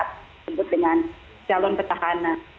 disebut dengan calon pertahanan